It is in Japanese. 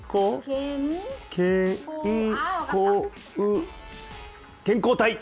けんこう健康体！